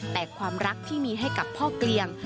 แต่ความรักที่มีให้กับพ่อเกลียง